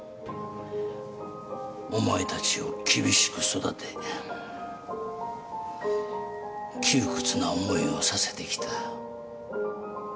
お前たちを厳しく育て窮屈な思いをさせてきた。